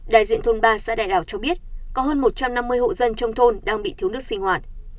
đại diện thôn ba xã đại lào cho biết có hơn một trăm năm mươi hộ dân trong thôn đang bị thiếu nước sinh hoạt